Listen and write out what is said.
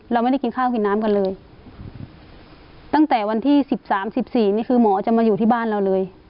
เราไม่ได้กินข้าวกินน้ำกันเลยตั้งแต่วันที่สิบสามสิบสี่นี่คือหมอจะมาอยู่ที่บ้านเราเลย